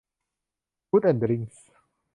ฟู้ดแอนด์ดริ๊งส์